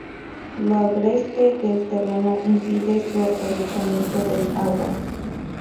Lo agreste del terreno impide su aprovechamiento del agua.